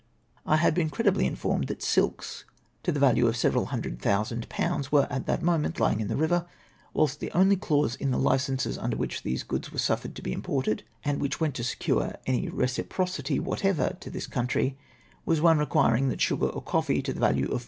I had been credibly informed that silks, to the value of several hundred thousand pounds, were at that moment lying in the river, whilst the only clause in the hcences under which these goods were suffered to be imported, and which went to secure any reci procity whatever to this country, was one requiring that sugar or coffee, to the value of 5